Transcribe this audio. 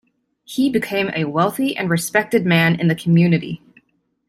He became a wealthy and respected man in the community.